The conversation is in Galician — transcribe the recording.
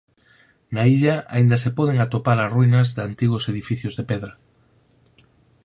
Na illa aínda se poden atopar as ruínas de antigos edificios de pedra.